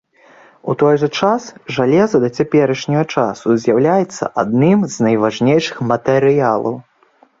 У той жа час жалеза да цяперашняга часу з'яўляецца адным з найважнейшых матэрыялаў.